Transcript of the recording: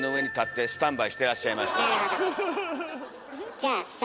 じゃあさ